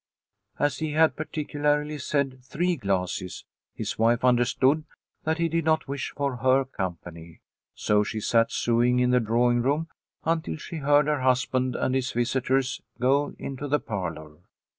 As he had particularly said three glasses his wife understood that he did not wish for her company, so she sat sewing in the drawing room until she heard her husband and his visitors go into the parlour.